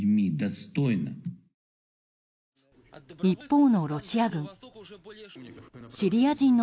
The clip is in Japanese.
一方のロシア軍。